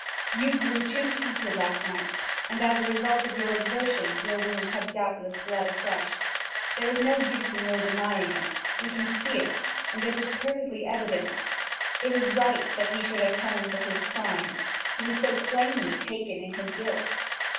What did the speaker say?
You grew too heated last night and, as a result of your exertions, your wounds have doubtless bled afresh. There is no use in your denying it; we can see it, and it is perfectly evident. It is right that he should atone for his crime, who is so plainly taken in his guilt.